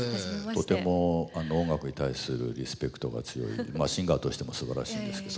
とても音楽に対するリスペクトが強いシンガーとしてもすばらしいんですけど。